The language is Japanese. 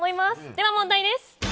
では問題です。